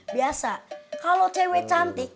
biasa kalau cewek cantik